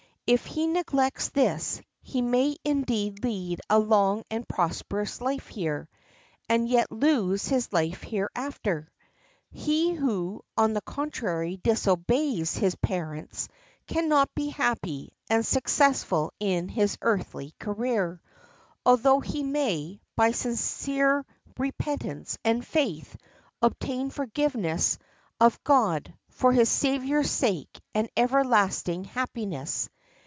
If he neglects this, he may indeed lead a long and prosperous life here, and yet lose his life hereafter. He who, on the contrary, disobeys his parents cannot be happy and successful in his earthly career, although he may, by sincere repentance and faith, obtain forgiveness of God, for his Saviour's sake, and everlasting happiness.